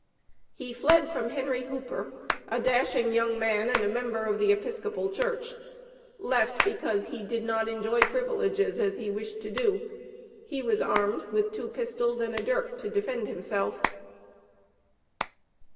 He fled from Henry Hooper, "a dashing young man and a member of the Episcopal Church." Left because he "did not enjoy privileges" as he wished to do. He was armed with two pistols and a dirk to defend himself.